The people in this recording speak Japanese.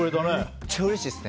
めっちゃうれしいですね。